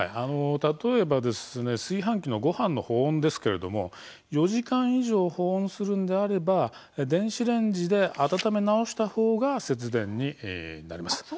例えば、炊飯器のごはんの保温ですけれども４時間以上保温するのであれば電子レンジで温め直したほうが節電になります。